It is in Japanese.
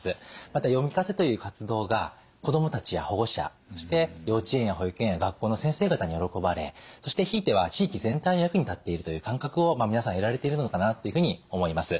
また読み聞かせという活動が子どもたちや保護者そして幼稚園や保育園や学校の先生方に喜ばれそしてひいては地域全体の役に立っているという感覚を皆さん得られているのかなっていうふうに思います。